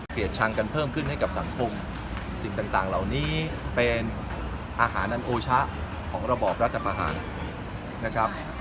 ชังกันเพิ่มขึ้นให้กับสังคมสิ่งต่างเหล่านี้เป็นอาหารอันโอชะของระบอบรัฐประหารนะครับ